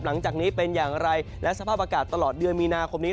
หลังจากนี้เป็นอย่างไรและสภาพอากาศตลอดเดือนมีนาคมนี้